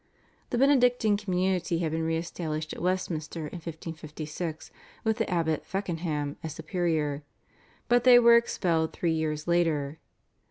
The Benedictine community had been re established at Westminster in 1556 with the Abbot Feckenham as superior, but they were expelled three years later.